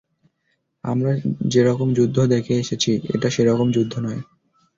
আমরা যেরকম যুদ্ধ দেখে এসেছি এটা সেরকম যুদ্ধ নয়!